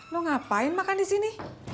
lu ngapain makan disini